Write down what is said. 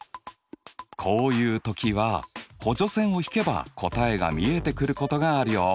こういう時は補助線を引けば答えが見えてくることがあるよ。